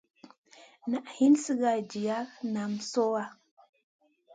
Na hin sigara jiya nam sohya.